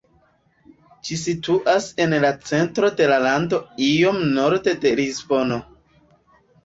Ĝi situas en la centro de la lando iom norde de Lisbono.